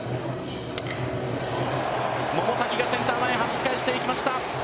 百崎がセンター前はじき返していきました。